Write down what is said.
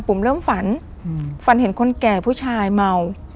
ผมเริ่มฝันฝันเห็นคนแก่ผู้ชายเมา